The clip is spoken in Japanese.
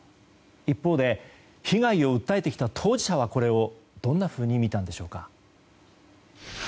一方で被害を訴えてきた当事者はこれをどんなふうに見たのでしょうか。